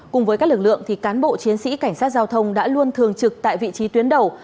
cùng với các lực lượng cán bộ chiến sĩ cảnh sát giao thông đã luôn thường trực tại vị trí tuyến đầu